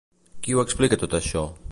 Qui ho explica tot això?